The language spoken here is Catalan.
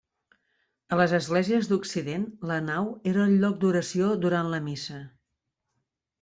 A les esglésies d'Occident, la nau era el lloc d'oració durant la missa.